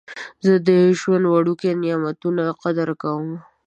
زه د ژوند وړوکي نعمتونه قدر کوم.